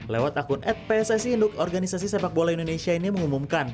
lewat akun ad pssi induk organisasi sepak bola indonesia ini mengumumkan